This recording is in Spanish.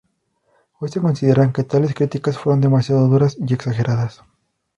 Hoy se consideran que tales críticas fueron demasiados duras y exageradas.